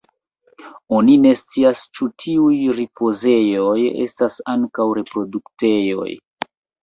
Oni ne scias ĉu tiuj ripozejoj estas ankaŭ reproduktejoj.